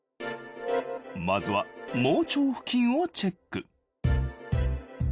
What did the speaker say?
まずは盲腸付近をチェック。